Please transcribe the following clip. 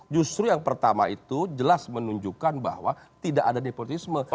justru yang pertama itu jelas menunjukkan bahwa tidak ada nepotisme